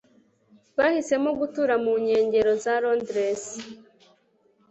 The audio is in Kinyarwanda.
Bahisemo gutura mu nkengero za Londres.